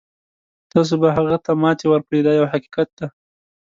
تاسو به هغه ته ماتې ورکړئ دا یو حقیقت دی.